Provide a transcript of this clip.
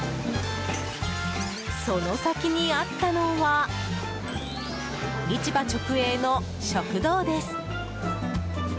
その先にあったのは市場直営の食堂です。